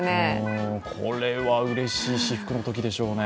これはうれしい至福のときでしょうね。